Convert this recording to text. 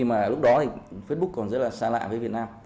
rất là xa lạ với việt nam